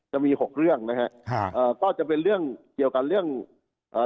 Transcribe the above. จะมีหกเรื่องนะฮะค่ะเอ่อก็จะเป็นเรื่องเกี่ยวกับเรื่องเอ่อ